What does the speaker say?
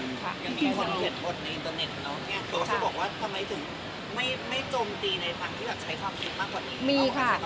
เธอจะบอกว่าทำไมถึงไม่จมตีในภังที่แบบใช้ความคิดมากกว่านี้